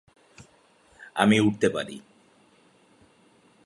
আমি উড়তে পারি।